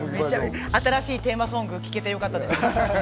新しいテーマソングを聞けてよかったです。